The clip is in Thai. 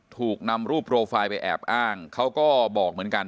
ถูกนำรูปโปรไฟล์ไปแอบอ้างเขาก็บอกเหมือนกัน